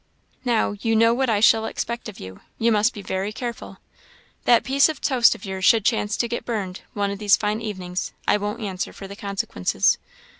Now, you know what I shall expect of you; you must be very careful; if that piece of toast of yours should chance to get burned, one of these fine evenings, I won't answer for the consequences.